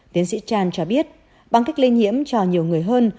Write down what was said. tiến sĩ chan cho biết bằng cách lây nhiễm cho nhiều người hơn